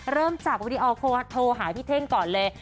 เริ่มจากวีดีโอโทรหาพี่เท่งก่อนเลย